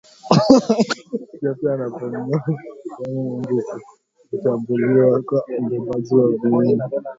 kiafya anapomnyonya damu Mbu hutambuliwa kama mbebaji wa viini